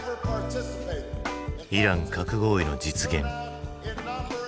イラン核合意の実現。